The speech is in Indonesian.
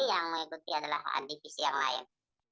yang mengikuti adalah adivisi yang lain